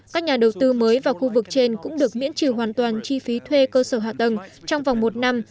các nhà đầu tư mới vào khu vực trên cũng được miễn trừ hoàn toàn chi phí thuê cơ sở hạ tầng trong vòng một năm